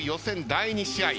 第２試合。